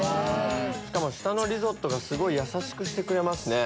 しかも下のリゾットがすごいやさしくしてくれますね。